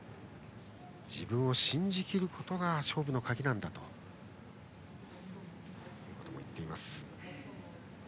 自分を信じきることが勝負の鍵だとも言っています。